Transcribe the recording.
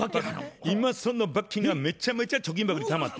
今その罰金がめちゃめちゃ貯金箱にたまって。